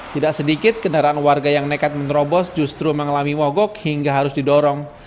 tidak sedikit kendaraan warga yang nekat menerobos justru mengalami mogok hingga harus didorong